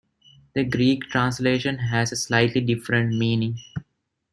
The Greek translation has a slightly different meaning.